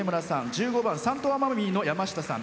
１５番「サン・トワ・マミー」のやましたさん。